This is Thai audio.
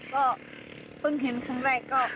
ก็เพิ่งเห็นครั้งแรกก็